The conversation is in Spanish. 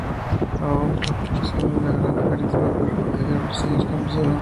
Abogó por la formación de una Granja Agrícola, para proteger a los niños campesinos.